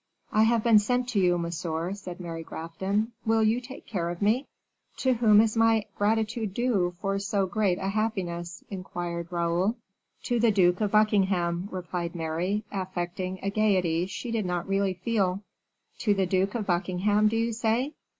"I have been sent to you, monsieur," said Mary Grafton; "will you take care of me?" "To whom is my gratitude due, for so great a happiness?" inquired Raoul. "To the Duke of Buckingham," replied Mary, affecting a gayety she did not really feel. "To the Duke of Buckingham, do you say?